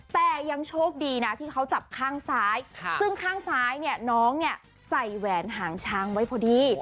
แต่ยังโชคดีนะที่เขาจับข้างซ้ายซึ่งข้างซ้ายเนี่ยน้องเนี่ยใส่แหวนหางช้างไว้พอดี